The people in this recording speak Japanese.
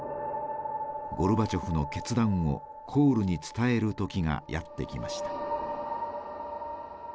ゴルバチョフの決断をコールに伝える時がやってきました。